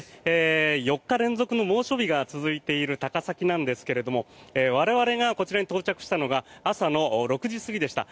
４日連続の猛暑日が続いている高崎なんですが我々がこちらに到着したのが朝の６時過ぎでした。